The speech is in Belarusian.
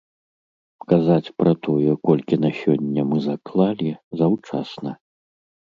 Казаць пра тое, колькі на сёння мы заклалі, заўчасна.